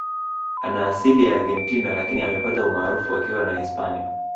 Ana asili ya Argentina Lakini amepata umaarufu akiwa na Hispania